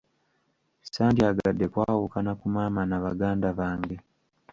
Sandyagadde kwawukana ku maama na baganda bange.